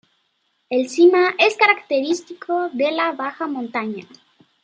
El clima es característico de la baja montaña.